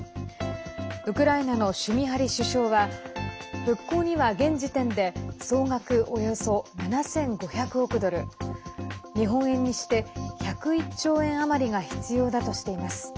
ウクライナのシュミハリ首相は復興には現時点で総額およそ７５００億ドル日本円にして１０１兆円余りが必要だとしています。